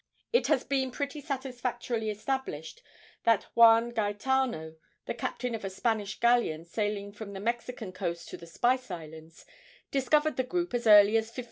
It has been pretty satisfactorily established that Juan Gaetano, the captain of a Spanish galleon sailing from the Mexican coast to the Spice Islands, discovered the group as early as 1555.